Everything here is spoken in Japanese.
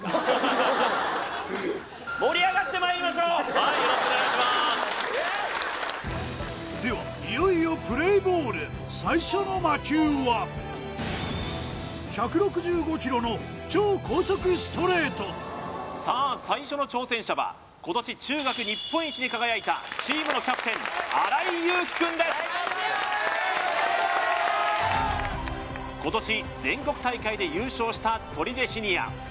はいよろしくお願いしますではいよいよプレーボール最初の魔球はさあ最初の挑戦者は今年中学日本一に輝いたチームのキャプテン荒井優聖くんです今年全国大会で優勝した取手シニア